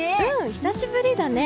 久しぶりだね。